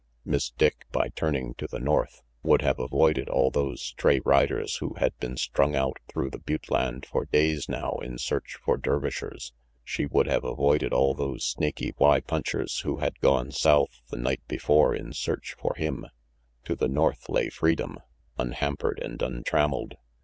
Miss Dick, by turning to the north, would have avoided all those stray riders who had been strung out through the butte land for days now in search for Dervishers. She would have avoided all those Snaky Y punchers who had gone south the night before in search for him. To the north lay freedom, unhampered and untramelled.